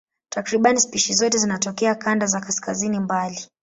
Takriban spishi zote zinatokea kanda za kaskazini mbali.